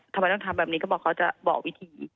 ทำไมต้องทำแบบนี้ก็บอกเขาจะบอกวิธี